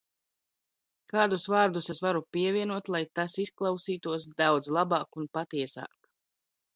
Kādus vārdus es varu pievienot, lai tas izklausītos daudz labāk un patiesāk?